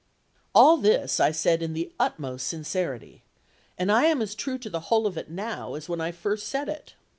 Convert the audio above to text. " All this I said in the utmost sincerity; and I am as true to the whole of it now, as when I first said it.